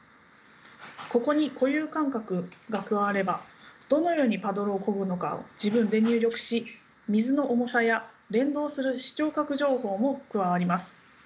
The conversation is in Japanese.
ここに固有感覚が加わればどのようにパドルをこぐのかを自分で入力し水の重さや連動する視聴覚情報も加わります。